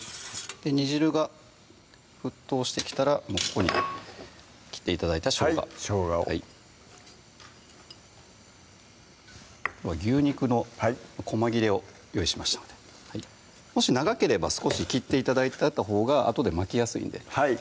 煮汁が沸騰してきたらここに切って頂いたしょうがしょうがを牛肉のこま切れを用意しましたのでもし長ければ少し切って頂いたほうがあとで巻きやすいんではい